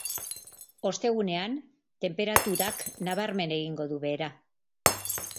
Ostegunean, tenperaturak nabarmen egingo du behera.